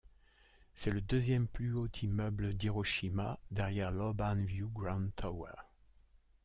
C'est le deuxième plus haut immeuble d'Hiroshima derrière l'Urban View Grand Tower.